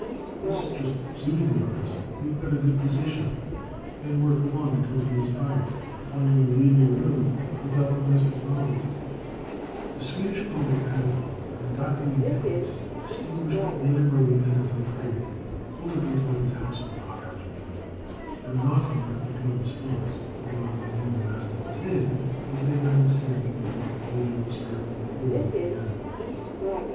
This just suited the artist, who got a good position and worked along until he was tired, finally leaving the room without the master's knowledge. The Swedish poet, Atterbohm, and Dr. Jeitteles, distinguished literary men of the period, called at Beethoven's house one hot afternoon. Their knocking met with no response, although they knew the master was in, as they heard him singing and occasionally striking a chord on the piano.